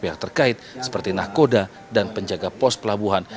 yang terkait seperti nakoda dan penjaga pos pelabuhan